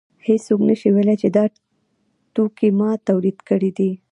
هېڅوک نشي ویلی چې دا توکی ما تولید کړی دی